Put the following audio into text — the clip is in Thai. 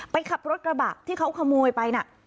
ขับรถกระบะที่เขาขโมยไปน่ะ